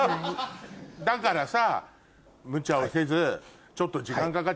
だからさ。